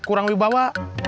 kurang lebih bawa